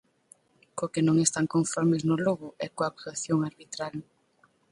Co que non están conformes no Lugo é coa actuación arbitral.